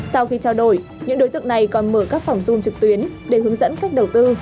sau khi trao đổi những đối tượng này còn mở các phòng dung trực tuyến để hướng dẫn cách đầu tư